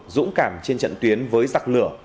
dũng cảm trên trận tuyến với giặc lửa